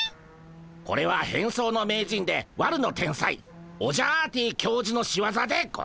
これは変装の名人で悪の天才オジャアーティ教授の仕業でゴンス。